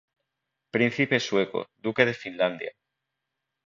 Príncipe sueco, duque de Finlandia.